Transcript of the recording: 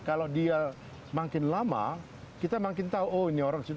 kalau dia makin lama kita makin tahu oh ini orang sudah